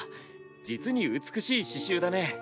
実に美しい刺しゅうだね。